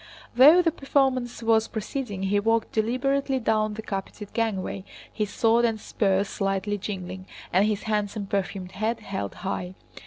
Though the performance was proceeding, he walked deliberately down the carpeted gangway, his sword and spurs slightly jingling and his handsome perfumed head held high.